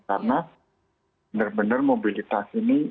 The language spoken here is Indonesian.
karena benar benar mobilitas ini